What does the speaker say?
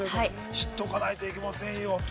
知っておかないといけませんよ。